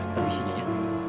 pergi sini nyonya